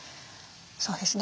そうですね。